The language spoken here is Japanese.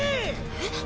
えっ！？